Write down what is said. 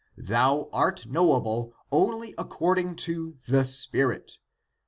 Thou art knowable only according to the Spirit.